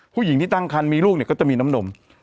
ผู้หญิงที่ตั้งครรภ์มีลูกก็จะมีน้ำนม